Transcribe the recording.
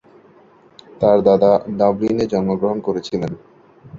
তার দাদা ডাবলিনে জন্মগ্রহণ করেছিলেন।